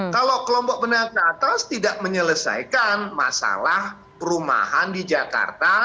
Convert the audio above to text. kalau kelompok menengah ke atas tidak menyelesaikan masalah perumahan di jakarta